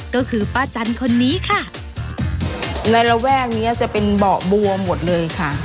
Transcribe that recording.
ก็คือป้าจันคนนี้ค่ะในระแวกเนี้ยจะเป็นเบาะบัวหมดเลยค่ะ